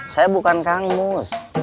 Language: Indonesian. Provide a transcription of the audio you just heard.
saya bukan kang mus